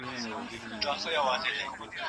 پخوا په ښوونځیو کي د انټرنیټ اسانتیاوي نه وي.